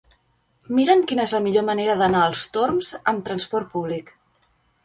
Mira'm quina és la millor manera d'anar als Torms amb trasport públic.